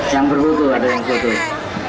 yang berbutuh ada yang berbutuh